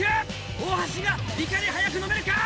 大橋がいかに早く飲めるか！